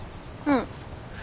うん。